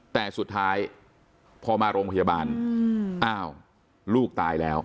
แต่สุดท้ายพอมาโรงพยาบาลอ้าวลูกตายแล้ว